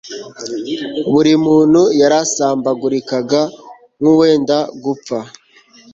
buri muntu yarasambagurikaga nk'uwenda gupfa